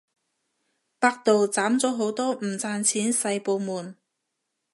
百度斬咗好多唔賺錢細部門